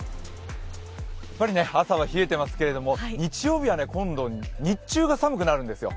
やっぱり朝は冷えてますけど日曜日は今度、日中が寒くなるんですよ。